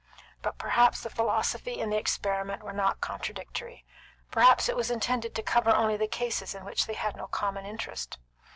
But perhaps the philosophy and the experiment were not contradictory; perhaps it was intended to cover only the cases in which they had no common interest.